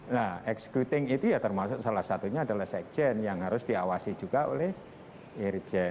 nah executing itu ya termasuk salah satunya adalah sekjen yang harus diawasi juga oleh irjen